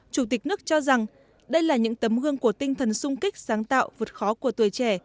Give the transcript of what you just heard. chủ tịch nước cho rằng đây là những tấm gương của tinh thần sung kích sáng tạo vượt khó của tuổi trẻ